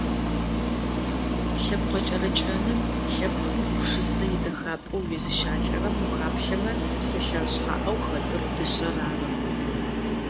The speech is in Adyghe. Лъэпкъ гъэкӏэрэкӏэным, лъэпкъым игупшысэ идэхапӏэм уезыщалӏэрэм ухаплъэмэ псэлъэ шъхьаӏэу хэтыр - дышъэр ары.